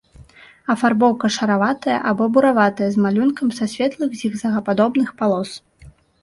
Афарбоўка шараватая або бураватая з малюнкам са светлых зігзагападобных палос.